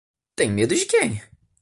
Tem medo de quem?